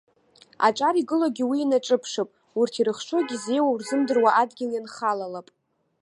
Аҿар игылогьы уи инаҿыԥшып, урҭ ирыхшогьы изеиуоу рзымдыруа адгьыл ианхалап!